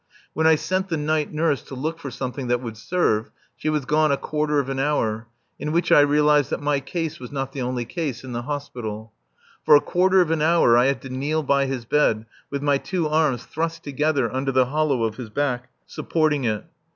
When I sent the night nurse to look for something that would serve, she was gone a quarter of an hour, in which I realized that my case was not the only case in the Hospital. For a quarter of an hour I had to kneel by his bed with my two arms thrust together under the hollow of his back, supporting it.